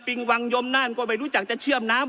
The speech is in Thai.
เปลี่ยงวังยมนั่นก็ไม่รู้จักจะเชื่อมน้ำ